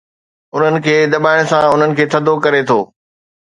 . انهن کي دٻائڻ سان انهن کي ٿڌو ڪري ٿو.